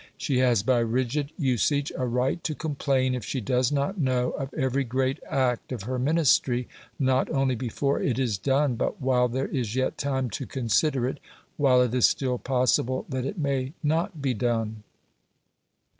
She has by rigid usage a right to complain if she does not know of every great act of her Ministry, not only before it is done, but while there is yet time to consider it while it is still possible that it may not be done.